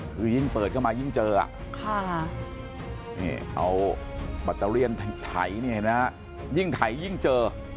คือยิ่งเปิดเข้ามายิ่งเจออ่ะค่ะนี่เอาบัตเตอร์เลียนไถเนี่ยนะยิ่งไถยิ่งเจอ